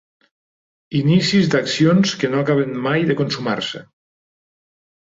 Inicis d'accions que no acaben mai de consumar-se.